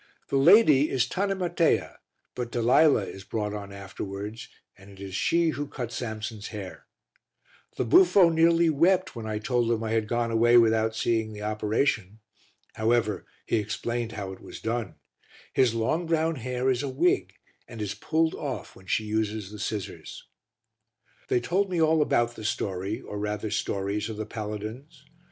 The lady is Tanimatea, but Dalila is brought on afterwards and it is she who cuts Samson's hair. The buffo nearly wept when I told him I had gone away without seeing the operation. However, he explained how it was done: his long brown hair is a wig and is pulled off when she uses the scissors. They told me all about the story, or rather stories, of the paladins.